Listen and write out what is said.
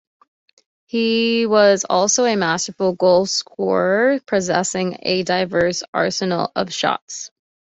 He was also a masterful goal scorer, possessing a diverse arsenal of shots.